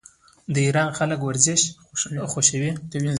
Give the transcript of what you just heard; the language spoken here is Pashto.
د ایران خلک ورزش خوښوي.